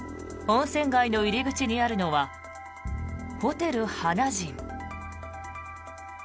温泉街の入り口にあるのはホテル花仁。